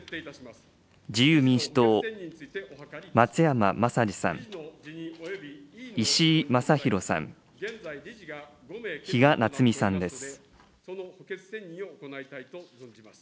自由民主党、松山政司さん、石井正弘さん、比嘉奈津美さんです。